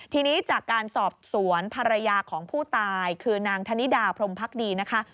ทีนี้จากการสอบสวนภรรยาของผู้ตายคือนางธนิดาพรมพักดีนะคะ